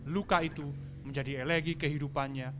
luka itu menjadi elegi kehidupannya